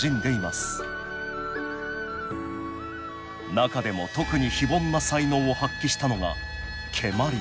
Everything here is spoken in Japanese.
中でも特に非凡な才能を発揮したのが蹴鞠。